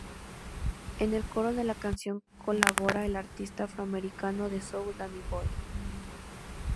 En el coro de la canción colabora el artista afroamericano de soul Danny Boy.